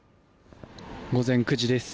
午前９時です。